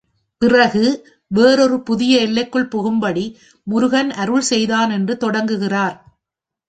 பிறகு வேறொரு புதிய எல்லைக்குள் புகும்படி முருகன் அருள் செய்தான் என்று தொடங்குகிறார்.